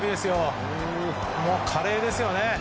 華麗ですよね。